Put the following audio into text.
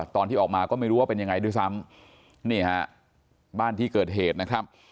ตอนที่ออกมาก็ไม่รู้ว่าเป็นยังไงด้วยซ้ำนี่ฮะบ้านที่เกิดเหตุนะครับ